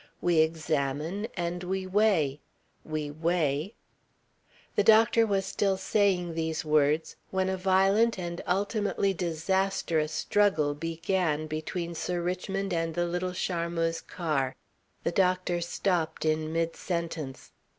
We examine and weigh we weigh " The doctor was still saying these words when a violent and ultimately disastrous struggle began between Sir Richmond and the little Charmeuse car. The doctor stopped in mid sentence.